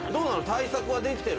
対策はできてる？